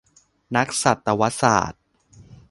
นักสัตวศาสตร์